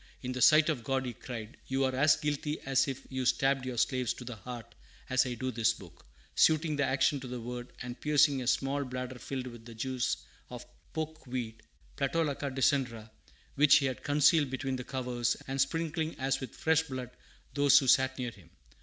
"In the sight of God," he cried, "you are as guilty as if you stabbed your slaves to the heart, as I do this book!" suiting the action to the word, and piercing a small bladder filled with the juice of poke weed (playtolacca decandra), which he had concealed between the covers, and sprinkling as with fresh blood those who sat near him.